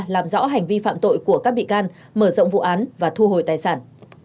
làm rõ hành vi phạm tội của các bị can mở rộng vụ án và thu hồi tài sản